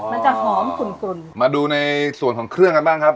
มันจะหอมกลุ่นมาดูในส่วนของเครื่องกันบ้างครับ